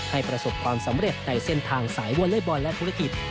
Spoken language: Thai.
ประสบความสำเร็จในเส้นทางสายวอเล็กบอลและธุรกิจ